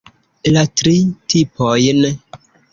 La tri tipojn.